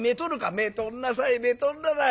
「めとんなさいめとんなさい！